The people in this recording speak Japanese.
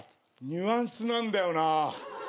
ニュアンスなんだよな。